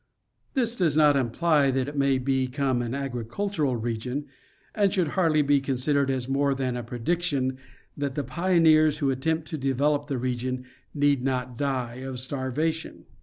This does not imply that it may become an agricultural region, and 38 National Geographic Magazine. should hardly be construed as more than a prediction that the pioneers who attempt to develop the region need not die of star vation.